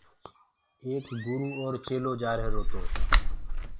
ايڪ گرُو جآرهيرو ايڪ چيلهو جآرهيرو۔